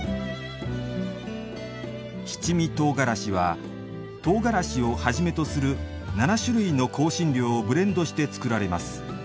七味唐辛子は唐辛子をはじめとする７種類の香辛料をブレンドして作られます。